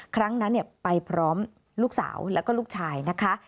ครั้งนั้นไปพร้อมลูกสาวแล้วก็ลูกชายนะคะ